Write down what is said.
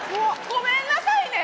ごめんなさいね。